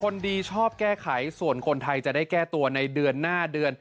คนดีชอบแก้ไขส่วนคนไทยจะได้แก้ตัวในเดือนหน้าเดือน